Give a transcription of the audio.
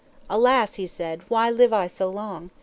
Alas, he said, why live I so long!